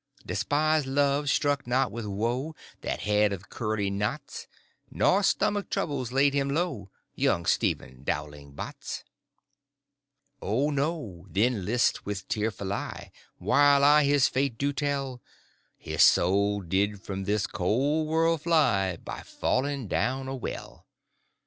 Despised love struck not with woe That head of curly knots, Nor stomach troubles laid him low, Young Stephen Dowling Bots. O no. Then list with tearful eye, Whilst I his fate do tell. His soul did from this cold world fly By falling down a well.